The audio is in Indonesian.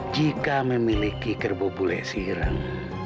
jika memiliki kerbobolek sirang